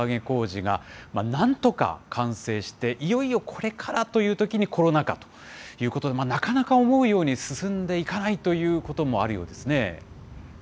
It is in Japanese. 工事がなんとか完成して、いよいよこれからというときにコロナ禍ということで、なかなか思うように進んでいかないということもあるようですね。